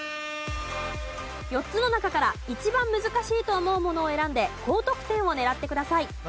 ４つの中から一番難しいと思うものを選んで高得点を狙ってください。